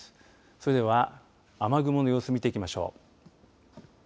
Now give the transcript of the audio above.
それでは雨雲の様子見ていきましょう。